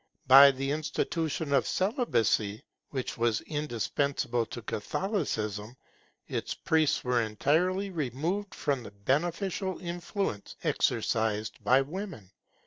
By the institution of celibacy, which was indispensable to Catholicism, its priests were entirely removed from the beneficial influence exercised by women.